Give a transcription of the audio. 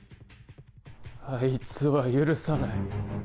あいつは許さない。